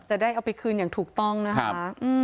จะได้เอาไปคืนอย่างถูกต้องนะคะ